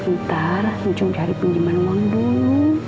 ntar njung cari pinjaman uang dulu